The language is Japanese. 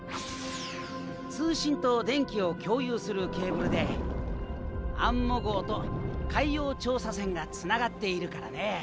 通信と電気を共有するケーブルでアンモ号と海洋調査船がつながっているからね。